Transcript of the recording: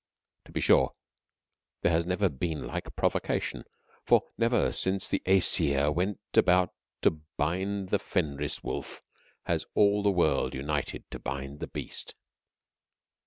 To be sure, there has never been like provocation, for never since the Aesir went about to bind the Fenris Wolf has all the world united to bind the Beast.